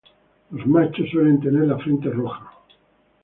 Los machos suelen tener la frente roja.